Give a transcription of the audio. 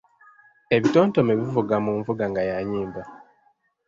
Ebitontome bivuga mu nvuga nga ya nnyimba.